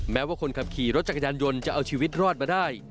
แม้ว่าคนขับขี่รถจักรยานยนต์จะเอาชีวิตรอดมาได้